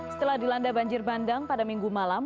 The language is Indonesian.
setelah dilanda banjir bandang pada minggu malam